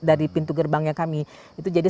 dari pintu gerbangnya kami itu jadi